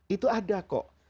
itu ada kok